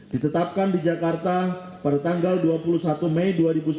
ditetapkan di jakarta pada tanggal dua puluh satu mei dua ribu sembilan belas